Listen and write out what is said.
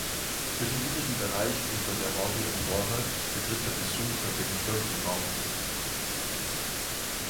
Durch den niedrigen Bereich unter der Orgelempore betritt der Besucher den Kirchenraum.